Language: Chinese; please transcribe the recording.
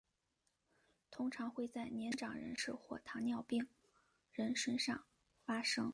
通常会在年长人士或糖尿病人身上发生。